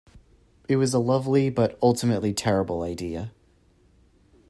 It was a lovely but ultimately terrible idea.